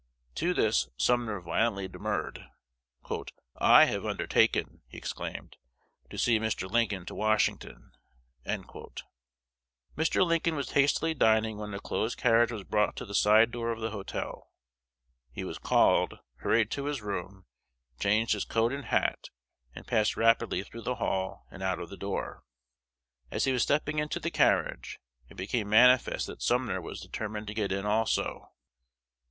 To this Sumner violently demurred. "I have undertaken," he exclaimed, "to see Mr. Lincoln to Washington." Mr. Lincoln was hastily dining when a close carriage was brought to the side door of the hotel. He was called, hurried to his room, changed his coat and hat, and passed rapidly through the hall and out of the door. As he was stepping into the carriage, it became manifest that Sumner was determined to get in also.